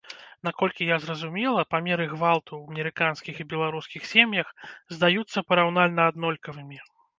Наколькі я зразумела, памеры гвалту ў амерыканскіх і беларускіх сем'ях здаюцца параўнальна аднолькавымі.